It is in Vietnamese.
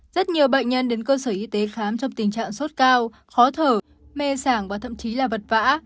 rất nhiều bệnh nhân đến cơ sở y tế khám trong tình trạng sốt cao khó thở mê sảng và thậm chí là vật vã